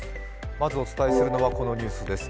まずお伝えするのはこのニュースです。